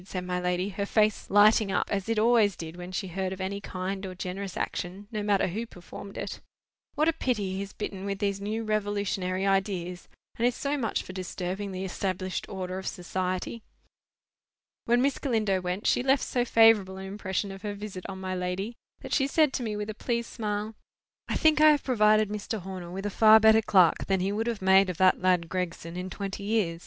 said my lady, her face lighting up, as it always did when she heard of any kind or generous action, no matter who performed it. "What a pity he is bitten with these new revolutionary ideas, and is so much for disturbing the established order of society!" When Miss Galindo went, she left so favourable an impression of her visit on my lady, that she said to me with a pleased smile— "I think I have provided Mr. Horner with a far better clerk than he would have made of that lad Gregson in twenty years.